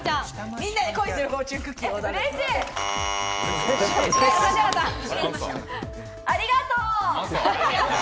みんなで『恋するフォーチュありがとう。